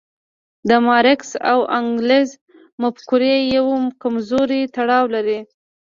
د مارکس او انګلز مفکورې یو کمزوری تړاو لري.